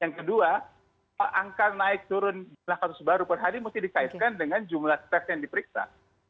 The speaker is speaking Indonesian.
yang kedua angka naik turun jumlah kasus baru per hari mesti dikaitkan dengan jumlah tes yang diperiksa